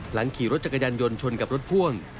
หลังขี่รถจักรยานยนต์ชนกับรถพ่วง